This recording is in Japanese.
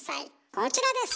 こちらです！